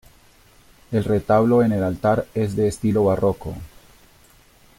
El retablo en el altar es de estilo barroco.